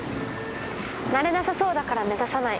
なれなさそうだから目指さない。